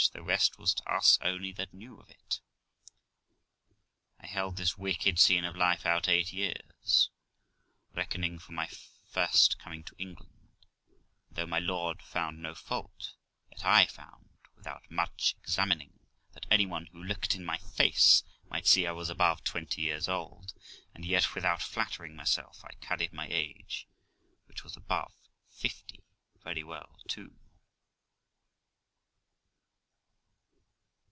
The rest was to us only that knew of it. I held this wicked scene of life out eight years, reckoning from my first coming to England; and, though my lord found no fault, yet I found, without much examining, that any one who looked in my face might see I was above twenty years old ; and yet, without flattering myself, I carried m y a g e which was above fifty, very well too.